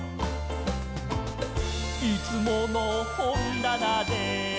「いつものほんだなで」